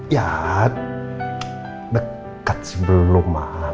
ya deket sebelum mah